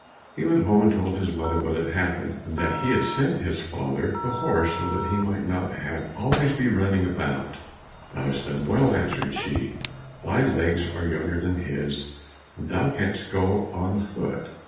He went home and told his mother what had happened, and that he had sent his father the horse so that he might not have to be always running about. "Thou hast done well," answered she, "thy legs are younger than his, and thou canst go on foot."